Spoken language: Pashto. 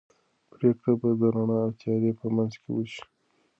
پرېکړه به د رڼا او تیارې په منځ کې وشي.